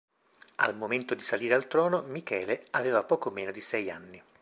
Al momento di salire al trono, Michele aveva poco meno di sei anni.